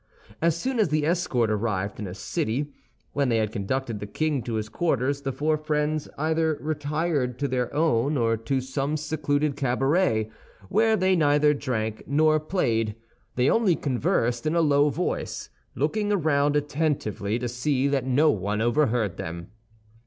As soon as the escort arrived in a city, when they had conducted the king to his quarters the four friends either retired to their own or to some secluded cabaret, where they neither drank nor played; they only conversed in a low voice, looking around attentively to see that no one overheard them.